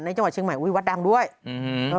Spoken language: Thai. จังหวัดเชียงใหม่อุ้ยวัดดังด้วยอืม